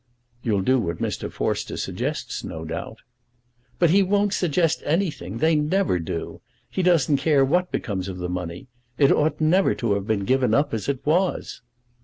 "You'll do what Mr. Forster suggests, no doubt." "But he won't suggest anything. They never do. He doesn't care what becomes of the money. It never ought to have been given up as it was."